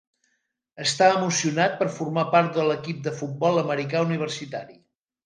Està emocionat per formar part de l'equip de futbol americà universitari.